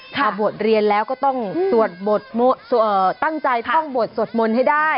พอบวชเรียนแล้วก็ต้องสวดตั้งใจต้องบวชสวดมนต์ให้ได้